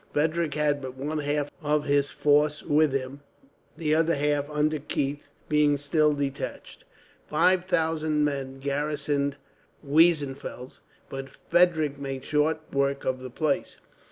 Frederick had but one half of his force with him, the other half, under Keith, being still detached. Five thousand men garrisoned Weissenfels, but Frederick made short work of the place.